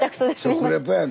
食レポや。